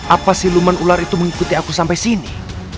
apa si luman ular itu mengikuti aku sampai sini